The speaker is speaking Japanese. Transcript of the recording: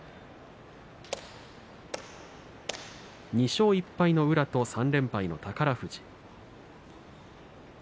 ２勝１敗の宇良と３連敗の宝富士。